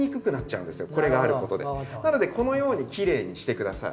なのでこのようにきれいにして下さい。